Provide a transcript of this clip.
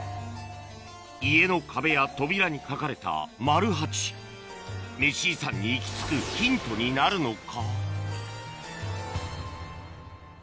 家の壁や扉に描かれたマル八メシ遺産に行き着くヒントになるのか？